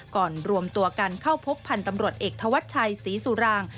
รวมตัวกันเข้าพบพันธ์ตำรวจเอกธวัชชัยศรีสุราง